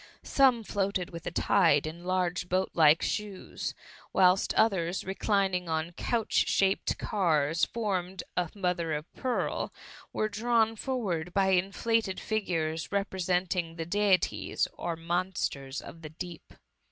Some floated with the tide in large boat like shoes ; whilst others, reclining on couch shaped THB MUMMT. 871 cars, fotmed of mother of pearl, were drawn for ward by inflated figures representing the deities or monsters of the deep.